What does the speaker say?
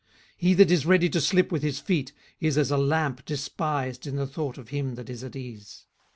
18:012:005 He that is ready to slip with his feet is as a lamp despised in the thought of him that is at ease.